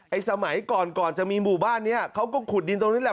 สมัยก่อนก่อนจะมีหมู่บ้านนี้เขาก็ขุดดินตรงนี้แหละ